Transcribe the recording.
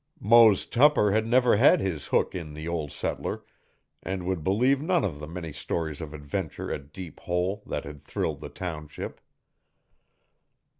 Mose Tupper had never had his hook in the 'ol' settler' and would believe none of the many stories of adventure at Deep Hole that had thrilled the township.